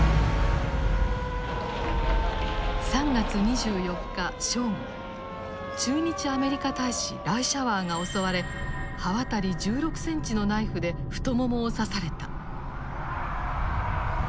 ３月２４日正午駐日アメリカ大使ライシャワーが襲われ刃渡り１６センチのナイフで太ももを刺された。